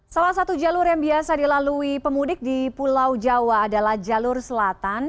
salah satu jalur yang biasa dilalui pemudik di pulau jawa adalah jalur selatan